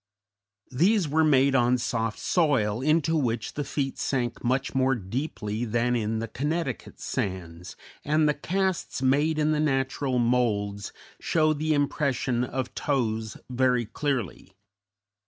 These were made on soft soil into which the feet sank much more deeply than in the Connecticut sands, and the casts made in the natural moulds show the impression of toes very clearly.